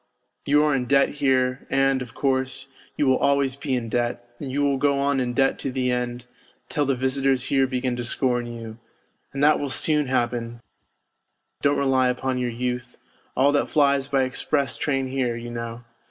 You are in debt here, and, of course, you will always be in debt, and you will go on in debt to the end, till the visitors here begin to scorn you. And that will soon happen, don't rely upon your youth all that flies by express train here, you know.